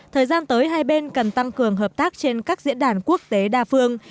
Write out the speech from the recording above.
thời gian tới hai bên cần tăng cường hợp tác trên các diễn đàn quốc tế đa phương